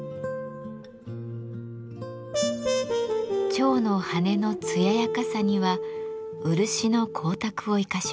蝶の羽の艶やかさには漆の光沢を生かします。